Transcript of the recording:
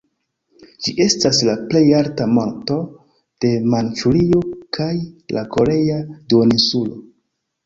Ĝi estas la plej alta monto de Manĉurio kaj la Korea duoninsulo.